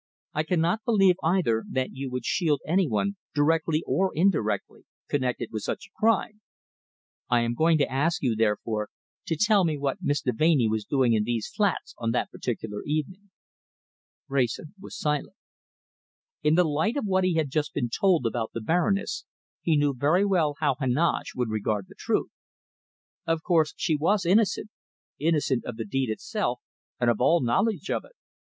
"I cannot believe, either, that you would shield any one directly or indirectly connected with such a crime. I am going to ask you, therefore, to tell me what Miss Deveney was doing in these flats on that particular evening." Wrayson was silent. In the light of what he had just been told about the Baroness, he knew very well how Heneage would regard the truth. Of course, she was innocent, innocent of the deed itself and of all knowledge of it.